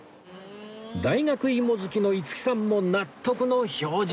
大学芋好きの五木さんも納得の表情